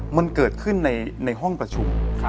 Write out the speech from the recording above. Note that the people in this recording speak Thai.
มันเกิดขึ้นในห้องประชุม